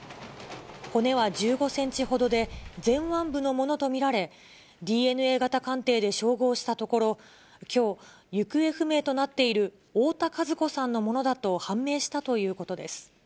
骨は１５センチほどで、前腕部のものと見られ、ＤＮＡ型鑑定で照合したところ、きょう、行方不明となっている太田和子さんのものだと判明したということです。